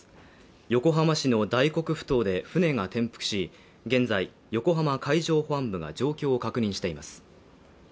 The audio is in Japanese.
横浜市の大黒ふ頭で船が転覆し、現在横浜海上保安部が状況を確認しています。